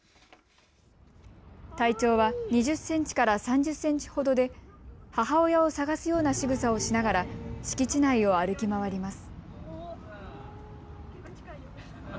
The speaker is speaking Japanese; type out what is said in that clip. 体長は２０センチから３０センチほどで母親を捜すようなしぐさをしながら敷地内を歩き回ります。